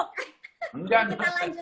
enggak enggak sibuk